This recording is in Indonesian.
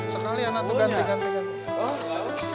sekali ya nanti ganti ganti